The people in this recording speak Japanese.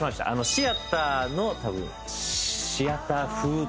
シアターの多分シアター風というか。